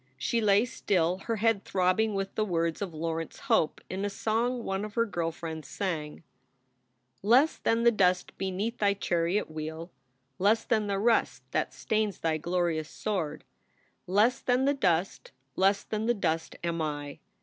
She lay still, her head throbbing with the words of Laurence Hope in a song one of her girl friends sang: Less than the dust beneath thy chariot wheel, Less than the rust that stains thy glorious sword Less than the dust, less than the dust am I.